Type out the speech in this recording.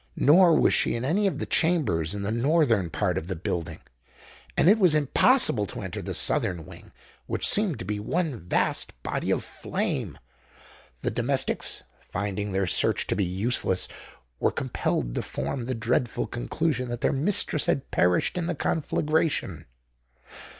Nor was she in any of the chambers in the northern part of the building; and it was impossible to enter the southern wing, which seemed to be one vast body of flame. The domestics, finding their search to be useless, were compelled to form the dreadful conclusion that their mistress had perished in the conflagration.